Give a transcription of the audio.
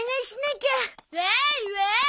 わいわい！